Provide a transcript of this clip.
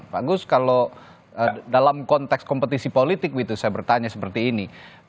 pak gus kalau dalam konteks kompetisi politik gitu saya bertanya seperti ini